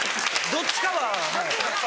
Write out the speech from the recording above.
どっちか。